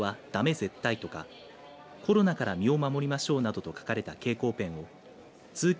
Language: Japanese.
ゼッタイ。とかコロナから身を守りましょうなどと書かれた蛍光ペンを通勤